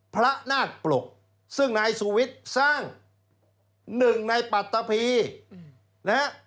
พระนาฏปลกซึ่งนายสูวิทรสร้าง๑ในปรัฐภีร์